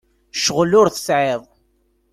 Ccɣel ur t-tesεiḍ?